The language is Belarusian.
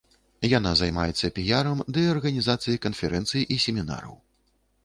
Яна займаецца піярам ды арганізацыяй канферэнцый і семінараў.